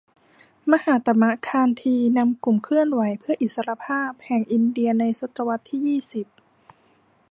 มหาตมะ คานธีนำกลุ่มเคลื่อนไหวเพื่ออิสรภาพแห่งอินเดียในศตวรรษที่ยี่สิบ